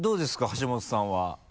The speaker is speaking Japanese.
橋本さんは。